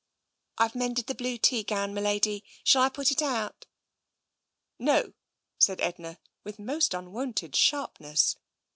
" Fve mended the blue tea gown, m'lady. Shall I put it out?'* " No," said Edna, with most unwonted sharpness.